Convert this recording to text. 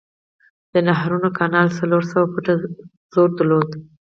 د نهروان کانال څلور سوه فوټه سور درلود.